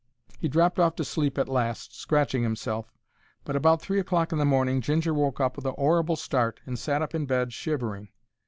He dropped off to sleep at last, scratching 'imself, but about three o'clock in the morning Ginger woke up with a 'orrible start and sat up in bed shivering.